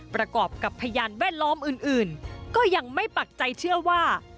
ประกอบกับพยานแวดล้อมอื่นก็ยังไม่ปักใจเชื่อว่า